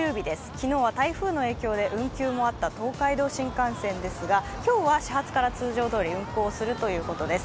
昨日は台風の影響で運休もあった東海道新幹線ですが今日は始発から通常どおり運行するということです。